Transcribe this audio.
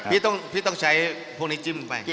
พี่ต้องใช้พวกนี้จิ้มลงไป